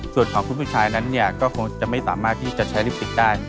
ส่วนของคุณผู้ชายนั้นเนี่ยก็คงจะไม่สามารถที่จะใช้ลิปสติกได้